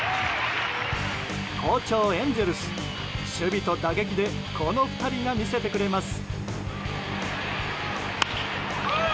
好調エンゼルス、守備と打撃でこの２人が見せてくれます。